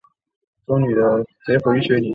乾隆四十年再度重修。